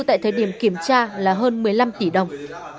tại thời điểm kiểm tra là hơn một mươi năm tỷ đồng